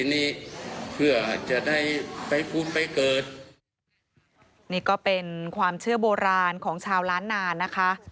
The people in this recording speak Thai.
นี่ก็เป็นความเชื่อโบราณของชาวล้านนานะคะ